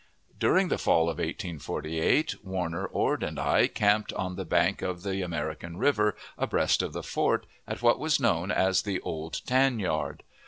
During the fall of 1848, Warner, Ord, and I, camped on the bank of the American River, abreast of the fort, at what was known as the "Old Tan Yard."